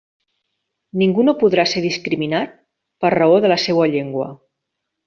Ningú no podrà ser discriminat per raó de la seua llengua.